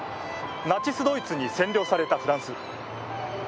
ナチスドイツに占領されたフランス。